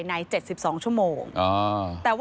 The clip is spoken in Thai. พบหน้าลูกแบบเป็นร่างไร้วิญญาณ